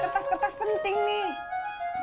kertas kertas penting nih